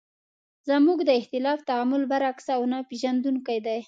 زموږ د اختلاف تعامل برعکس او نه پېژندونکی دی.